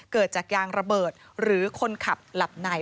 เกิดจากยางระเบิดหรือคนขับหลับใน